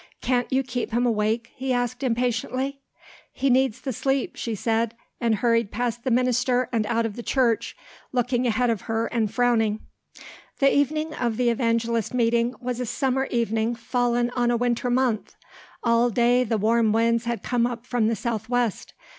"Can't you keep him awake?" he asked impatiently. "He needs the sleep," she said and hurried past the minister and out of the church, looking ahead of her and frowning. The evening of the evangelist meeting was a summer evening fallen on a winter month. All day the warm winds had come up from the southwest.